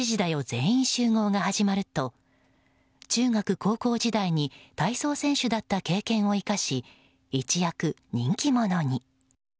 全員集合」が始まると中学・高校時代に体操選手だった経験を生かし一躍、人気者に。